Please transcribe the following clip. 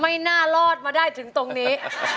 ไม่น่ารอดมาได้ถึงตรงนี้